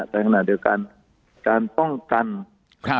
แต่ขณะเดียวกันการป้องกันครับ